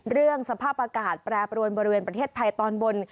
เรื่องสภาพอากาศแปรปรวนบริเวณประเทศไทยตอนบน